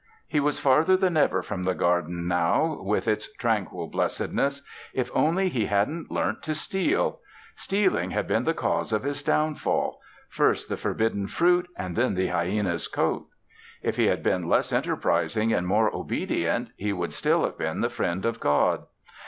He was farther than ever from the garden now with its tranquil blessedness. If only he hadn't learnt to steal! Stealing had been the cause of his downfall first the forbidden fruit and then the hyena's coat. If he had been less enterprising and more obedient, he would still have been the friend of God.